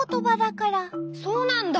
そうなんだ。